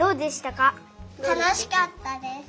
たのしかったです。